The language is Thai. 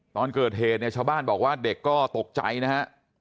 ตอนเกิดเหตุเนี่ยชาวบ้านบอกว่าเด็กก็ตกใจนะฮะ